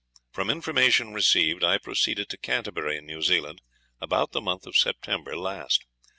From information received, I proceeded to Canterbury, in New Zealand, about the month of September last.